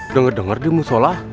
dengar dengar di musyolah